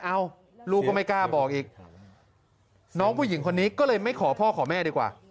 เอ้าลูกก็ไม่กล้าบอกอีกน้องผู้หญิงคนนี้ก็เลยไม่ขอพ่อขอแม่ดีกว่า